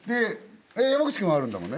山口くんはあるんだもんね？